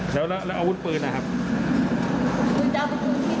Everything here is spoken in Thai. แล้วแล้วอาวุธปืนนะครับ